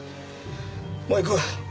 もう行くわ。